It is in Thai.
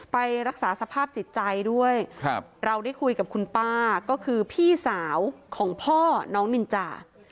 ไปรักษาสภาพจิตใจด้วยครับเราได้คุยกับคุณป้าก็คือพี่สาวของพ่อน้องนินจา